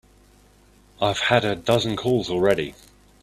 I've had a dozen calls already.